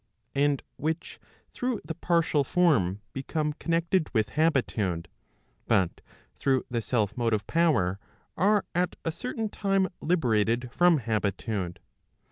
And which through the partial form become connected with habitude, but through the self motive power, are at a certain time liberated from habitude.